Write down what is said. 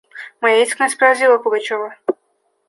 Моя искренность поразила Пугачева.